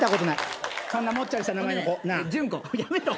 やめろ。